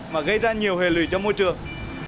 mà gây ra nhiều hệ lụy cho môi trường